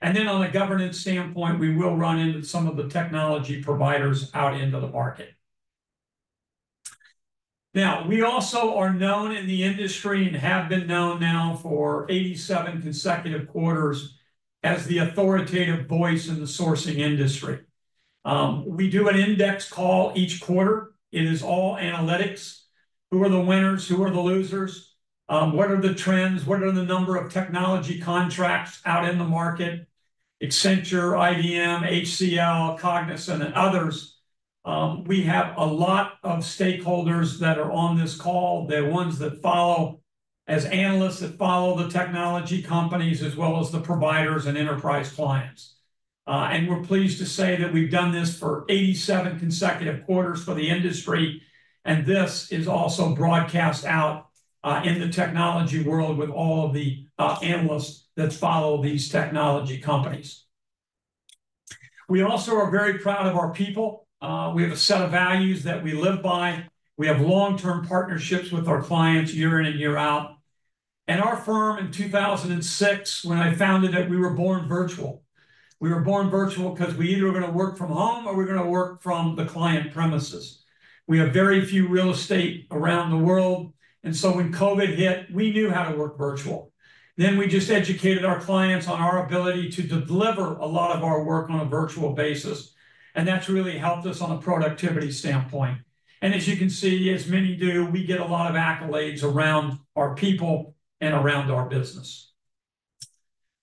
Then on a governance standpoint, we will run into some of the technology providers out into the market. Now, we also are known in the industry and have been known now for 87 consecutive quarters as the authoritative voice in the sourcing industry. We do an index call each quarter. It is all analytics: who are the winners, who are the losers, what are the trends, what are the number of technology contracts out in the market—Accenture, IBM, HCL, Cognizant, and others. We have a lot of stakeholders that are on this call. They're ones that follow as analysts that follow the technology companies as well as the providers and enterprise clients. We're pleased to say that we've done this for 87 consecutive quarters for the industry. This is also broadcast out in the technology world with all of the analysts that follow these technology companies. We also are very proud of our people. We have a set of values that we live by. We have long-term partnerships with our clients year in and year out. And our firm in 2006, when I founded it, we were born virtual. We were born virtual because we either were going to work from home or we were going to work from the client premises. We have very few real estate around the world. And so when COVID hit, we knew how to work virtual. Then we just educated our clients on our ability to deliver a lot of our work on a virtual basis. And that's really helped us on a productivity standpoint. And as you can see, as many do, we get a lot of accolades around our people and around our business.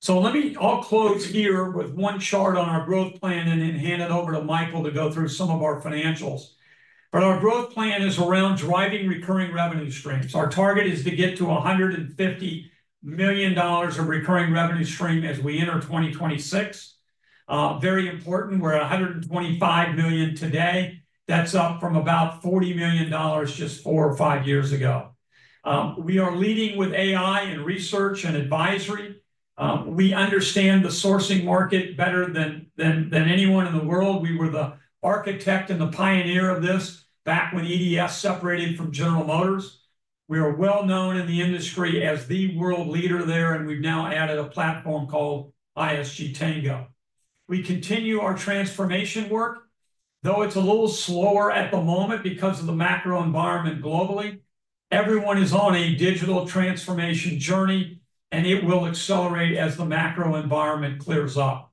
So let me, I'll close here with one chart on our growth plan and then hand it over to Michael to go through some of our financials. But our growth plan is around driving recurring revenue streams. Our target is to get to $150 million of recurring revenue stream as we enter 2026. Very important. We're at $125 million today. That's up from about $40 million just four or five years ago. We are leading with AI and research and advisory. We understand the sourcing market better than anyone in the world. We were the architect and the pioneer of this back when EDS separated from General Motors. We are well known in the industry as the world leader there. And we've now added a platform called ISG Tango. We continue our transformation work, though it's a little slower at the moment because of the macro environment globally. Everyone is on a digital transformation journey, and it will accelerate as the macro environment clears up.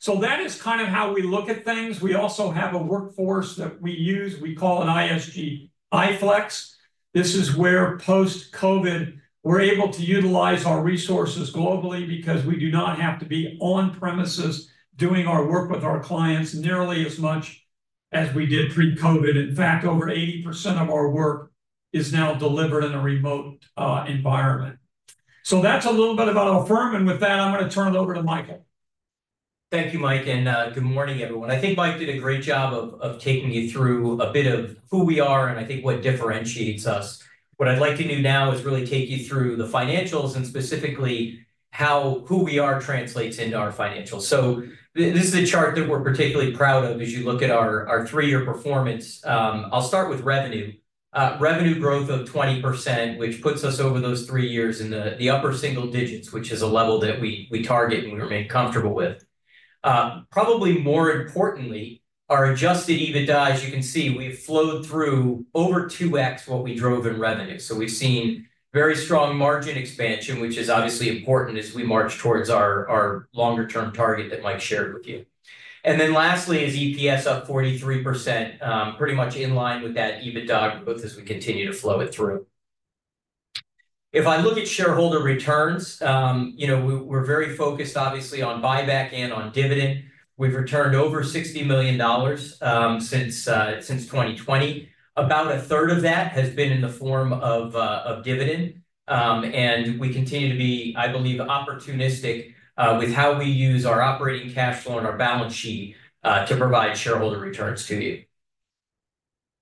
So that is kind of how we look at things. We also have a workforce that we use. We call it ISG iFlex. This is where post-COVID, we're able to utilize our resources globally because we do not have to be on premises doing our work with our clients nearly as much as we did pre-COVID. In fact, over 80% of our work is now delivered in a remote environment. So that's a little bit about our firm. And with that, I'm going to turn it over to Michael. Thank you, Mike. And good morning, everyone. I think Mike did a great job of taking you through a bit of who we are and I think what differentiates us. What I'd like to do now is really take you through the financials and specifically how who we are translates into our financials. So this is a chart that we're particularly proud of as you look at our three-year performance. I'll start with revenue. Revenue growth of 20%, which puts us over those three years in the upper single digits, which is a level that we target and we remain comfortable with. Probably more importantly, our Adjusted EBITDA, as you can see, we've flowed through over 2x what we drove in revenue. So we've seen very strong margin expansion, which is obviously important as we march towards our longer-term target that Mike shared with you. And then lastly is EPS up 43%, pretty much in line with that EBITDA growth as we continue to flow it through. If I look at shareholder returns, we're very focused, obviously, on buyback and on dividend. We've returned over $60 million since 2020. About a third of that has been in the form of dividend. And we continue to be, I believe, opportunistic with how we use our operating cash flow and our balance sheet to provide shareholder returns to you.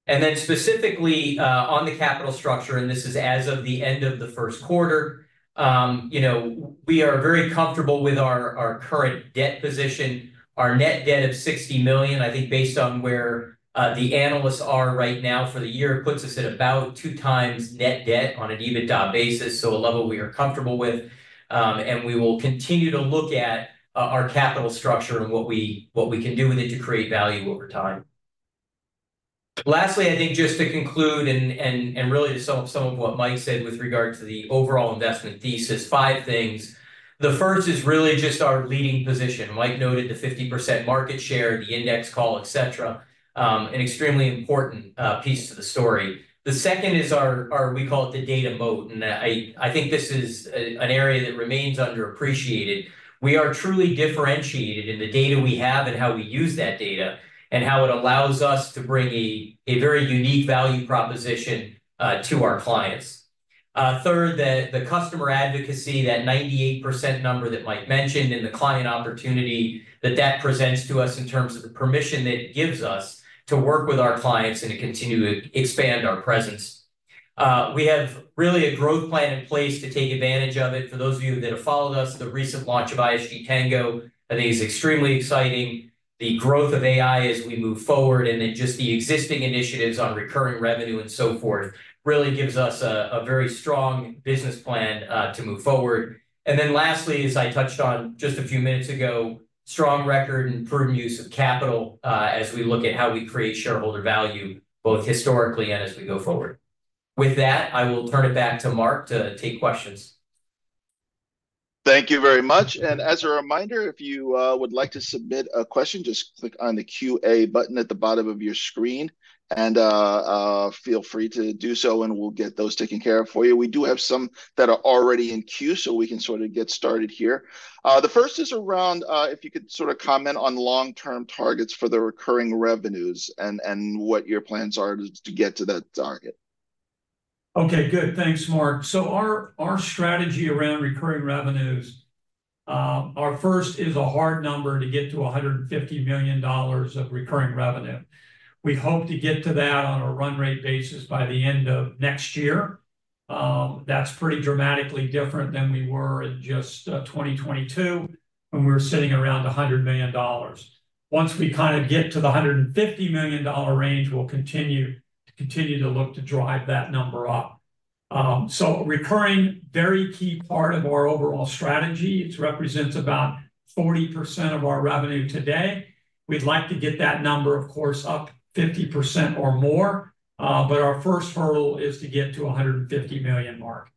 And then specifically on the capital structure, and this is as of the end of the first quarter, we are very comfortable with our current debt position. Our net debt of $60 million, I think based on where the analysts are right now for the year, puts us at about 2x net debt on an EBITDA basis, so a level we are comfortable with. We will continue to look at our capital structure and what we can do with it to create value over time. Lastly, I think just to conclude and really some of what Mike said with regard to the overall investment thesis, five things. The first is really just our leading position. Mike noted the 50% market share, the index call, et cetera, an extremely important piece to the story. The second is our, we call it, the data moat. And I think this is an area that remains underappreciated. We are truly differentiated in the data we have and how we use that data and how it allows us to bring a very unique value proposition to our clients. Third, the customer advocacy, that 98% number that Mike mentioned and the client opportunity that that presents to us in terms of the permission that gives us to work with our clients and to continue to expand our presence. We have really a growth plan in place to take advantage of it. For those of you that have followed us, the recent launch of ISG Tango, I think is extremely exciting. The growth of AI as we move forward and then just the existing initiatives on recurring revenue and so forth really gives us a very strong business plan to move forward. And then lastly, as I touched on just a few minutes ago, strong record and prudent use of capital as we look at how we create shareholder value, both historically and as we go forward. With that, I will turn it back to Mark to take questions. Thank you very much. As a reminder, if you would like to submit a question, just click on the Q&A button at the bottom of your screen. Feel free to do so, and we'll get those taken care of for you. We do have some that are already in queue, so we can sort of get started here. The first is around if you could sort of comment on long-term targets for the recurring revenues and what your plans are to get to that target? Okay. Good. Thanks, Mark. So our strategy around recurring revenues, our first is a hard number to get to $150 million of recurring revenue. We hope to get to that on a run rate basis by the end of next year. That's pretty dramatically different than we were in just 2022 when we were sitting around $100 million. Once we kind of get to the $150 million range, we'll continue to look to drive that number up. So recurring, very key part of our overall strategy. It represents about 40% of our revenue today. We'd like to get that number, of course, up 50% or more. But our first hurdle is to get to $150 million mark.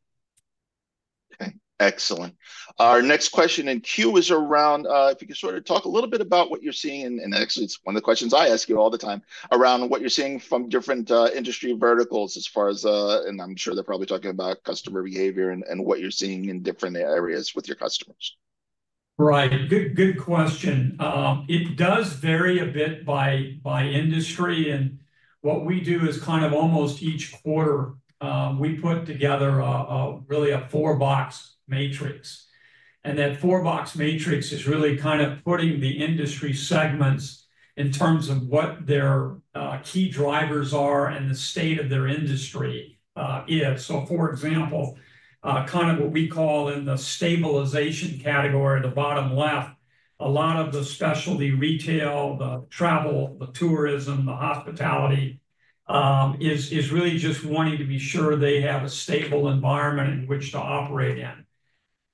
Okay. Excellent. Our next question in queue is around if you could sort of talk a little bit about what you're seeing. And actually, it's one of the questions I ask you all the time around what you're seeing from different industry verticals as far as and I'm sure they're probably talking about customer behavior and what you're seeing in different areas with your customers. Right. Good question. It does vary a bit by industry. What we do is kind of almost each quarter, we put together really a four-box matrix. That four-box matrix is really kind of putting the industry segments in terms of what their key drivers are and the state of their industry is. So for example, kind of what we call in the stabilization category at the bottom left, a lot of the specialty retail, the travel, the tourism, the hospitality is really just wanting to be sure they have a stable environment in which to operate in.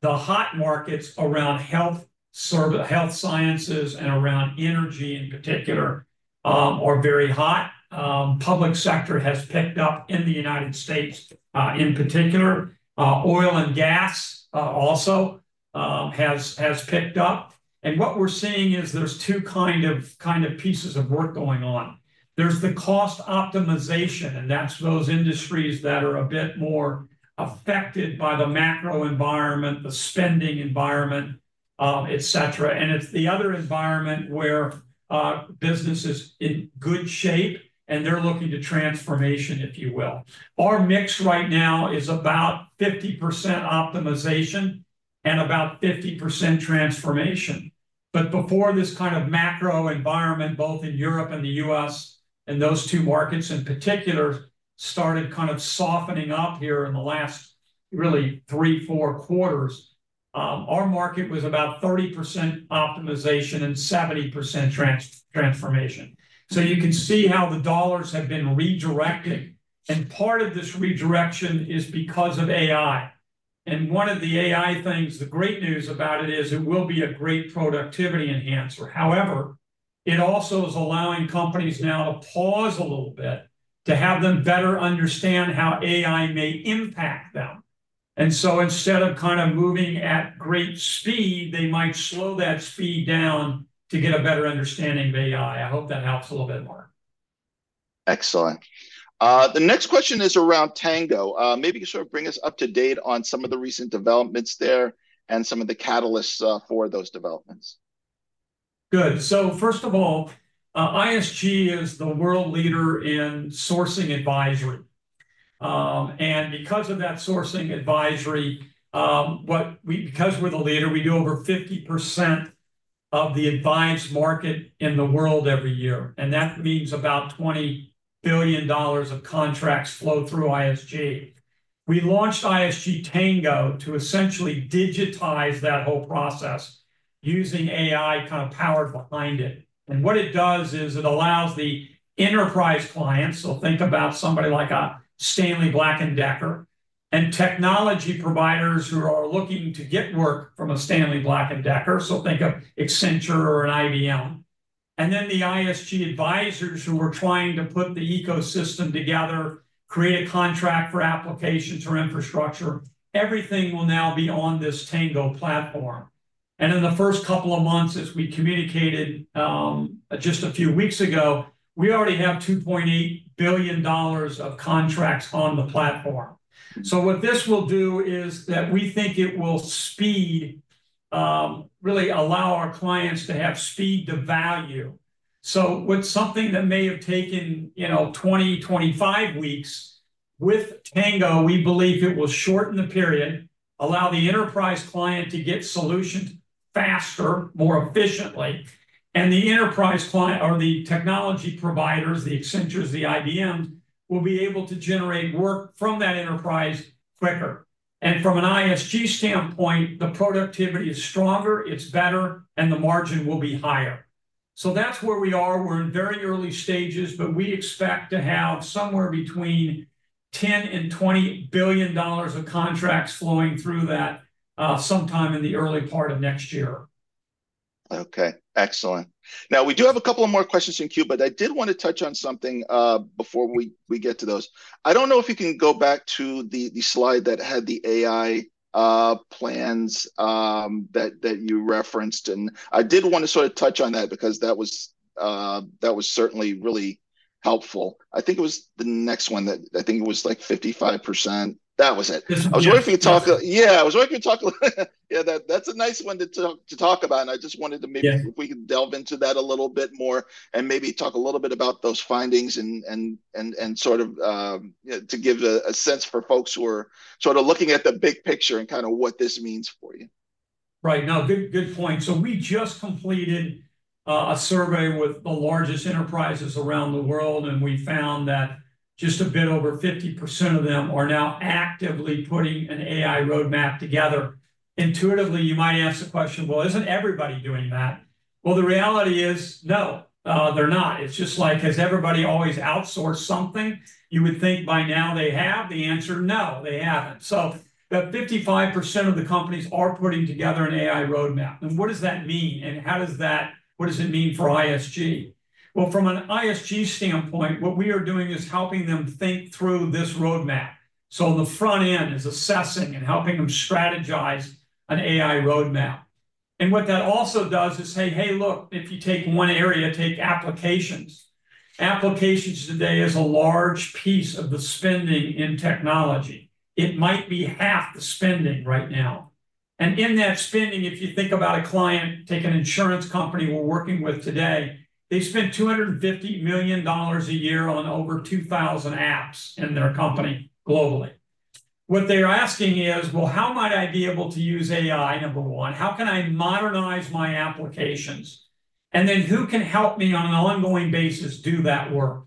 The hot markets around health sciences and around energy in particular are very hot. Public sector has picked up in the United States in particular. Oil and gas also has picked up. What we're seeing is there's two kind of pieces of work going on. There's the cost optimization, and that's those industries that are a bit more affected by the macro environment, the spending environment, et cetera. And it's the other environment where business is in good shape, and they're looking to transformation, if you will. Our mix right now is about 50% optimization and about 50% transformation. But before this kind of macro environment, both in Europe and the U.S. and those two markets in particular started kind of softening up here in the last really 3, 4 quarters, our market was about 30% optimization and 70% transformation. So you can see how the dollars have been redirected. And part of this redirection is because of AI. And one of the AI things, the great news about it is it will be a great productivity enhancer. However, it also is allowing companies now to pause a little bit to have them better understand how AI may impact them. And so instead of kind of moving at great speed, they might slow that speed down to get a better understanding of AI. I hope that helps a little bit, Mark. Excellent. The next question is around Tango. Maybe you can sort of bring us up to date on some of the recent developments there and some of the catalysts for those developments. Good. So first of all, ISG is the world leader in sourcing advisory. And because of that sourcing advisory, because we're the leader, we do over 50% of the advised market in the world every year. And that means about $20 billion of contracts flow through ISG. We launched ISG Tango to essentially digitize that whole process using AI kind of powered behind it. And what it does is it allows the enterprise clients, so think about somebody like a Stanley Black & Decker, and technology providers who are looking to get work from a Stanley Black & Decker, so think of Accenture or an IBM. And then the ISG advisors who are trying to put the ecosystem together, create a contract for applications or infrastructure, everything will now be on this Tango platform. In the first couple of months, as we communicated just a few weeks ago, we already have $2.8 billion of contracts on the platform. What this will do is that we think it will really allow our clients to have speed to value. With something that may have taken 20-25 weeks, with Tango, we believe it will shorten the period, allow the enterprise client to get solutions faster, more efficiently. The enterprise client or the technology providers, the Accentures, the IBMs, will be able to generate work from that enterprise quicker. From an ISG standpoint, the productivity is stronger, it's better, and the margin will be higher. That's where we are. We're in very early stages, but we expect to have somewhere between $10 billion-$20 billion of contracts flowing through that sometime in the early part of next year. Okay. Excellent. Now, we do have a couple of more questions in queue, but I did want to touch on something before we get to those. I don't know if you can go back to the slide that had the AI plans that you referenced. And I did want to sort of touch on that because that was certainly really helpful. I think it was the next one that I think it was like 55%. That was it. I was wondering if you could talk a little. Yeah, that's a nice one to talk about. I just wanted to maybe if we could delve into that a little bit more and maybe talk a little bit about those findings and sort of to give a sense for folks who are sort of looking at the big picture and kind of what this means for you. Right. No, good point. So we just completed a survey with the largest enterprises around the world, and we found that just a bit over 50% of them are now actively putting an AI roadmap together. Intuitively, you might ask the question, "Well, isn't everybody doing that?" Well, the reality is, no, they're not. It's just like, has everybody always outsourced something? You would think by now they have. The answer, no, they haven't. So that 55% of the companies are putting together an AI roadmap. And what does that mean? And what does it mean for ISG? Well, from an ISG standpoint, what we are doing is helping them think through this roadmap. So the front end is assessing and helping them strategize an AI roadmap. And what that also does is, "Hey, hey, look, if you take one area, take applications." Applications today is a large piece of the spending in technology. It might be half the spending right now. And in that spending, if you think about a client, take an insurance company we're working with today, they spend $250 million a year on over 2,000 apps in their company globally. What they're asking is, "Well, how might I be able to use AI, number one? How can I modernize my applications? And then who can help me on an ongoing basis do that work?"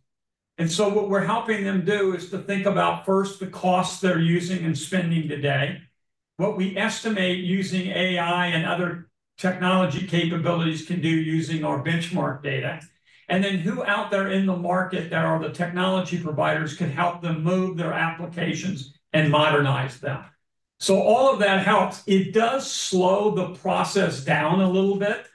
And so what we're helping them do is to think about first the costs they're using and spending today, what we estimate using AI and other technology capabilities can do using our benchmark data, and then who, out there in the market, there are the technology providers, could help them move their applications and modernize them. So all of that helps. It does slow the process down a little bit.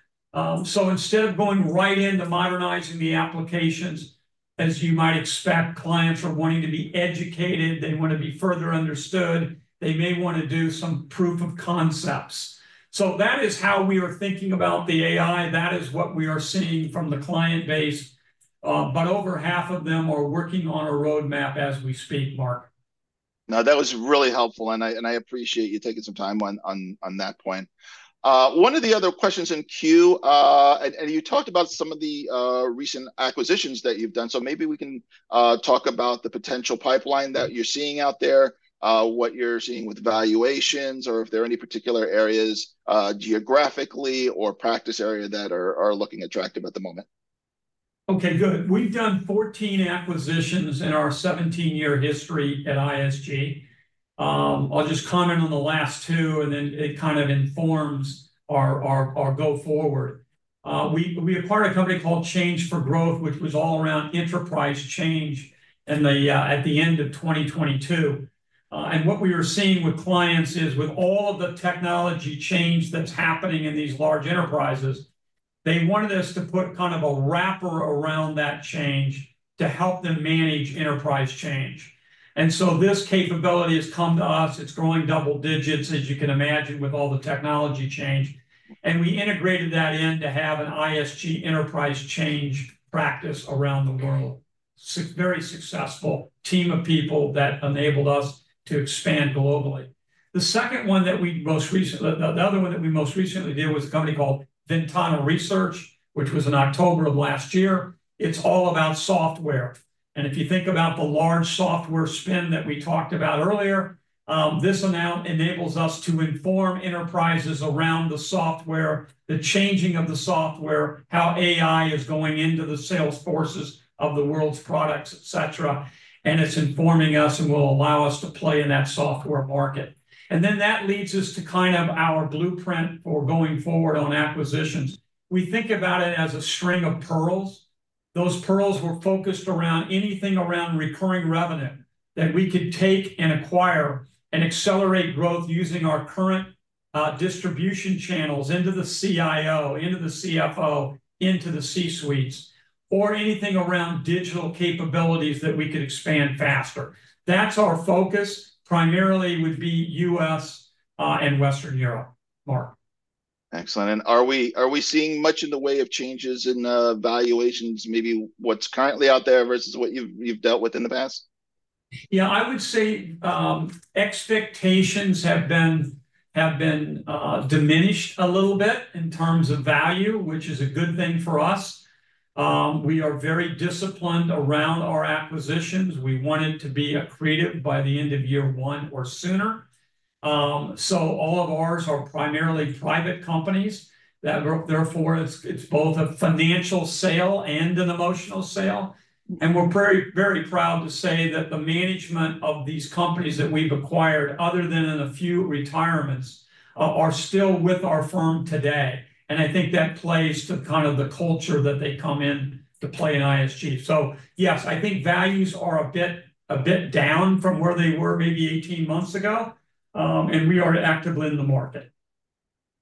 So instead of going right into modernizing the applications, as you might expect, clients are wanting to be educated. They want to be further understood. They may want to do some proof of concepts. So that is how we are thinking about the AI. That is what we are seeing from the client base. Over half of them are working on a roadmap as we speak, Mark. No, that was really helpful. I appreciate you taking some time on that point. One of the other questions in queue, and you talked about some of the recent acquisitions that you've done. Maybe we can talk about the potential pipeline that you're seeing out there, what you're seeing with valuations, or if there are any particular areas geographically or practice area that are looking attractive at the moment. Okay. Good. We've done 14 acquisitions in our 17-year history at ISG. I'll just comment on the last two, and then it kind of informs our go forward. We are part of a company called Change 4 Growth, which was all around enterprise change at the end of 2022. And what we were seeing with clients is with all of the technology change that's happening in these large enterprises, they wanted us to put kind of a wrapper around that change to help them manage enterprise change. And so this capability has come to us. It's growing double digits, as you can imagine, with all the technology change. And we integrated that in to have an ISG enterprise change practice around the world. Very successful team of people that enabled us to expand globally. The second one that we most recently did was a company called Ventana Research, which was in October of last year. It's all about software. If you think about the large software spin that we talked about earlier, this enables us to inform enterprises around the software, the changing of the software, how AI is going into the sales forces of the world's products, etc. It's informing us and will allow us to play in that software market. Then that leads us to kind of our blueprint for going forward on acquisitions. We think about it as a string of pearls. Those pearls were focused around anything around recurring revenue that we could take and acquire and accelerate growth using our current distribution channels into the CIO, into the CFO, into the C-suites, or anything around digital capabilities that we could expand faster. That's our focus primarily would be U.S. and Western Europe, Mark. Excellent. Are we seeing much in the way of changes in valuations, maybe what's currently out there versus what you've dealt with in the past? Yeah, I would say expectations have been diminished a little bit in terms of value, which is a good thing for us. We are very disciplined around our acquisitions. We want it to be accretive by the end of year one or sooner. So all of ours are primarily private companies. Therefore, it's both a financial sale and an emotional sale. And we're very proud to say that the management of these companies that we've acquired, other than in a few retirements, are still with our firm today. And I think that plays to kind of the culture that they come in to play in ISG. So yes, I think values are a bit down from where they were maybe 18 months ago. And we are actively in the market.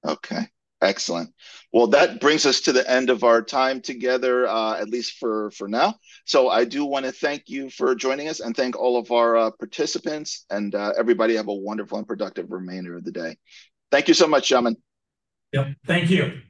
Okay. Excellent. Well, that brings us to the end of our time together, at least for now. So I do want to thank you for joining us and thank all of our participants. And everybody have a wonderful and productive remainder of the day. Thank you so much, gentlemen. Yep. Thank you.